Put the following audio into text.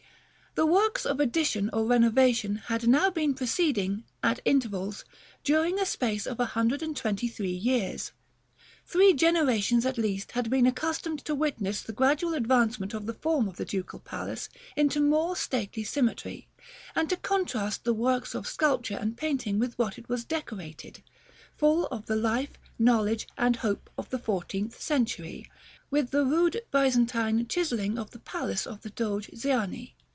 The works of addition or renovation had now been proceeding, at intervals, during a space of a hundred and twenty three years. Three generations at least had been accustomed to witness the gradual advancement of the form of the Ducal Palace into more stately symmetry, and to contrast the works of sculpture and painting with which it was decorated, full of the life, knowledge, and hope of the fourteenth century, with the rude Byzantine chiselling of the palace of the Doge Ziani.